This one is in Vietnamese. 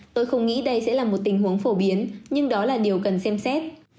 tôi không nghĩ đây sẽ là một tình huống phổ biến nhưng đó là điều cần xem xét